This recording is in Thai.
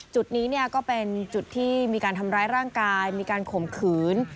จุดนี้ก็เป็นจุดที่มีการทำร้ายร่างกายมีการข่มขืน